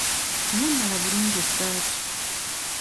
Yambala bulungi essaati.